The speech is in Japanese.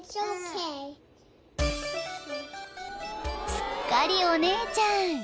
［すっかりお姉ちゃん。